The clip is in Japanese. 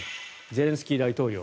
ゼレンスキー大統領。